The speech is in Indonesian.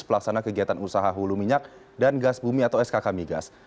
pelaksana kegiatan usaha hulu minyak dan gas bumi atau skk migas